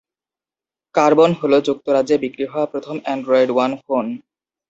Carbon হ'ল যুক্তরাজ্যে বিক্রি হওয়া প্রথম অ্যান্ড্রয়েড ওয়ান ফোন।